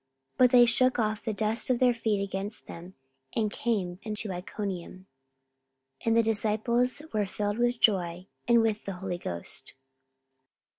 44:013:051 But they shook off the dust of their feet against them, and came unto Iconium. 44:013:052 And the disciples were filled with joy, and with the Holy Ghost.